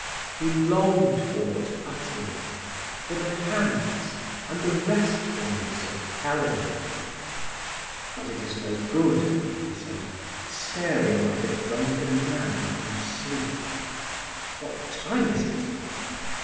He longed for it utterly—for the hands and the restfulness of Helena. "But it is no good," he said, staring like a drunken man from sleep. "What time is it?"